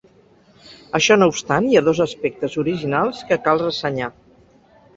Això no obstant, hi ha dos aspectes originals que cal ressenyar.